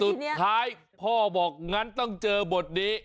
สุดท้ายพ่อบอกงั้นต้องเจอบทนี้